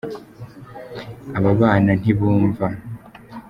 ababana ntibumva